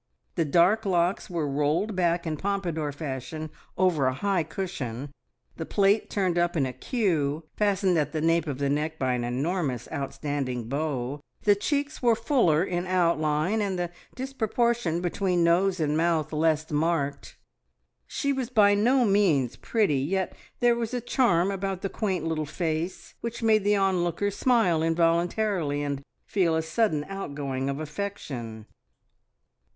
The dark locks were rolled back in pompadour fashion over a high cushion, the plait turned up in a queue, fastened at the nape of the neck by an enormous outstanding bow; the cheeks were fuller in outline, and the disproportion between nose and mouth less marked. She was by no means pretty, yet there was a charm about the quaint little face which made the onlooker smile involuntarily and feel a sudden outgoing of affection.